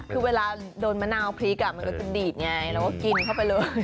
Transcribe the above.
คือเวลาโดนมะนาวพริกมันก็จะดีดไงเราก็กินเข้าไปเลย